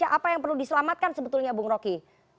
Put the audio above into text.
apa yang perlu diselamatkan sebetulnya bung roky